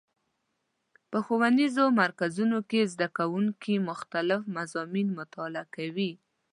په ښوونیزو مرکزونو کې زدهکوونکي مختلف مضامین مطالعه کوي.